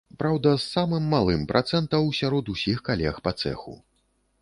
Праўда, з самым малым працэнтаў сярод усіх калег па цэху.